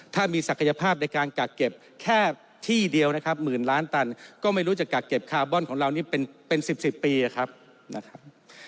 ถ้ามีศักยภาพในการกักเก็บแค่ที่เดียวนะครับหมื่นล้านตันก็ไม่รู้จะกักเก็บคาร์บอนของเรานี่เป็น๑๐๑๐ปีครับนะครับ